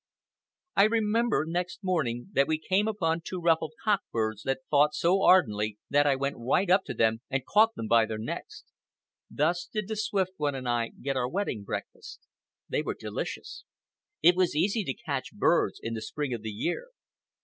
I remember, next morning, that we came upon two ruffled cock birds that fought so ardently that I went right up to them and caught them by their necks. Thus did the Swift One and I get our wedding breakfast. They were delicious. It was easy to catch birds in the spring of the year.